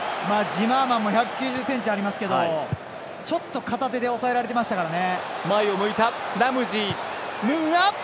ジマーマンも１９０ｃｍありますけどちょっと片手で抑えられていましたからね。